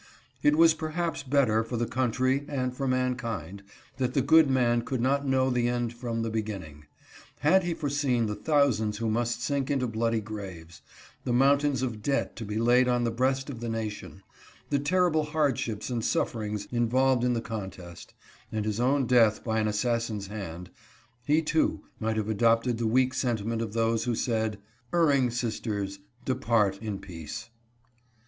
It was perhaps better for the country and for mankind that the good man could not know the end from the beginning. Had he foreseen the thousands who must sink 410 HIS VIEW OF THE SITUATION. into bloody graves, the mountains of debt to be laid on the breast of the nation, the terrible hardships and sufferings involved in the con test, and his own death by an assassin's hand, he too might have adopted the weak sentiment of those who said ' Erring sisters, depart in peace.'"